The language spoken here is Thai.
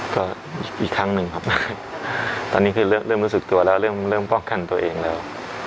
ก็อีกครั้งหนึ่งครับตอนนี้คือเริ่มรู้สึกตัวแล้วเริ่มป้องกันตัวเองแล้ว